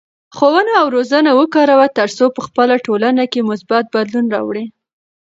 ښوونه او روزنه وکاروه ترڅو په خپله ټولنه کې مثبت بدلون راوړې.